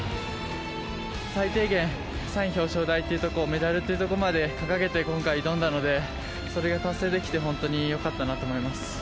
最低限、３位表彰台というところ、メダルっていうところまで掲げて、今回、挑んだので、それが達成できて、本当によかったなと思います。